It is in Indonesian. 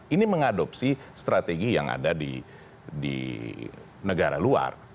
ini mengadopsi strategi yang ada di negara luar